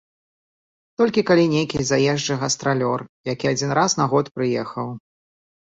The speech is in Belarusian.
Толькі калі нейкі заезджы гастралёр, які адзін раз на год прыехаў.